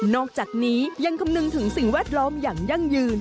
อกจากนี้ยังคำนึงถึงสิ่งแวดล้อมอย่างยั่งยืน